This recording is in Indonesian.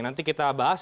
nanti kita bahas